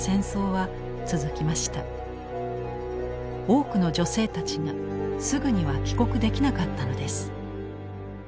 多くの女性たちがすぐには帰国できなかったのです。